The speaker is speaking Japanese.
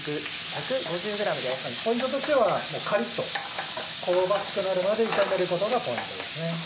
ポイントとしてはカリっと香ばしくなるまで炒めることがポイントですね。